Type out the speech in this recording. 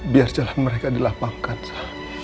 biar jalan mereka dilapangkan so